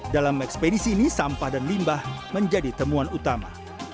dalam ekspedisi ini sampah dan limbah menjadi temuan utama